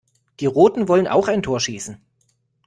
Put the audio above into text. Die Roten wollen auch ein Tor schießen.